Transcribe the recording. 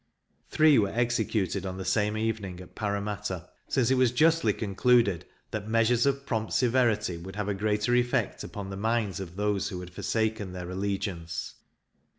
Three were executed on the same evening at Parramatta, since it was justly concluded, that measures of prompt severity would have a greater effect upon the minds of those who had forsaken their allegiance.